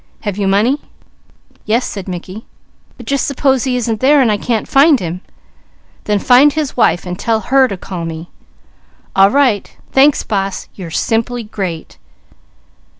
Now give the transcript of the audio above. Have you money?" "Yes," said Mickey, "but just suppose he isn't there and I can't find him?" "Then find his wife, and tell her to call me." "All right! Thanks, boss! You're simply great!"